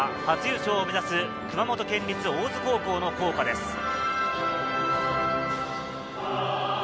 初優勝を目指す熊本県立大津高校の校歌です。